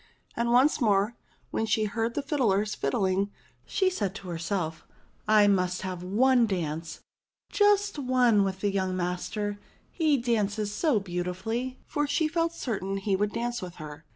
And once more when she heard the fiddlers fiddling she said to herself, "I must have one dance — just one with the young master : he dances so beautifully." For she felt certain he would dance with her.